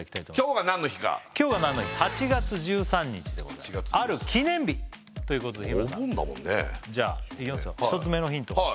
今日が何の日か今日が何の日８月１３日でございますある記念日ということで日村さんじゃあいきますよお盆だもんね